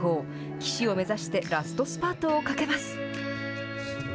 岸を目指してラストスパートをかけます。